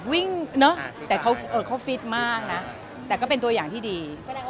คุณแม่ก็ทำอยู่มาตลอดเป็นหลายปี๑๐ปี